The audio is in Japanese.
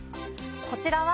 こちらは。